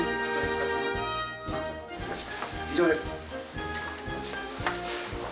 以上です。